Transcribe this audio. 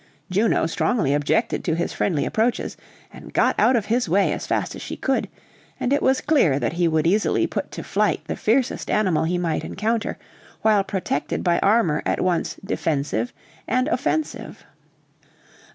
Juno strongly objected to his friendly approaches, and got out of his way as fast as she could; and it was clear that he would easily put to flight the fiercest animal he might encounter, while protected by armor at once defensive and offensive.